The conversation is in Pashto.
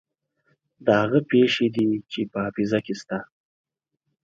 دا هغه پېښې دي چې په حافظه کې شته.